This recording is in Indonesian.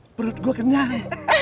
perut gua kenyang